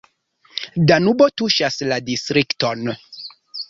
Danubo tuŝas la distrikton.